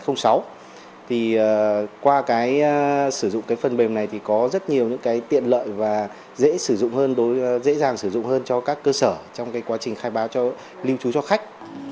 thì qua cái sử dụng cái phần mềm này thì có rất nhiều những cái tiện lợi và dễ sử dụng hơn dễ dàng sử dụng hơn cho các cơ sở trong cái quá trình khai báo lưu trú cho khách